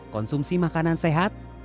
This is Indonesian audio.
konsumsi makanan sehat